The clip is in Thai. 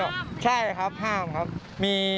โปรดติดตามต่อไป